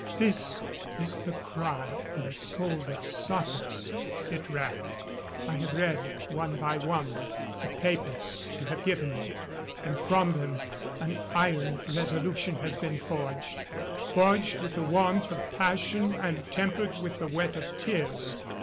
This is the cry of a soul that suffers [it ran]. I have read one by one the papers you have given me, and from them an iron resolution has been forged forged with the warmth of passion and tempered with the wet of tears.